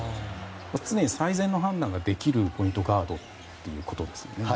常に最善の判断ができるポイントガードっていうことですよね。